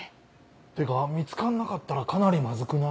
ってか見つかんなかったらかなりマズくない？